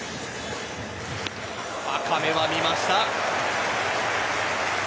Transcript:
高めは見ました。